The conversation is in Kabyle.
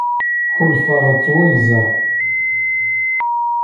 Ḥulfaɣ ttwaggzeɣ.